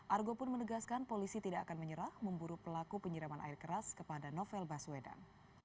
argo pun menegaskan polisi tidak akan menyerah memburu pelaku penyiraman air keras kepada novel baswedan